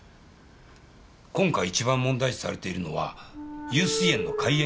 今回一番問題視されているのは悠水苑の開園